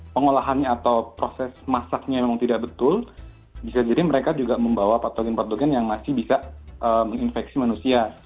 pengolahannya atau proses masaknya memang tidak betul bisa jadi mereka juga membawa patogen patogen yang masih bisa menginfeksi manusia